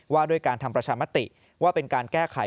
ว่าด้วยการทำประชามติว่าเป็นการแก้ไข